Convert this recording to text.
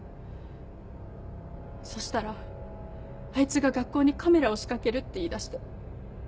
そしたらあいつが学校にカメラを仕掛けるって言い出して。